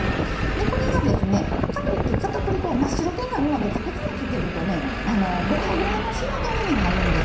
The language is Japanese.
これがですねかといって片栗粉を真っ白けになるまでたくさんつけるとねごわごわの仕上がりになるんです。